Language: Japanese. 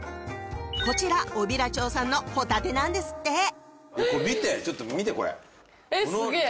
こちら小平町産のホタテなんですっていやこれ見てちょっと見てこれえっすげえ